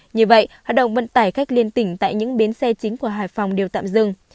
như vậy hoạt động vận tải khách liên tỉnh tại những bến xe chính của hải phòng đều tạm dừng